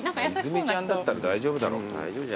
泉ちゃんだったら大丈夫だろ。